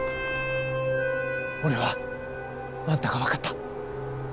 俺はあんたが分かった。